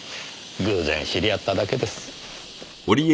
偶然知り合っただけです。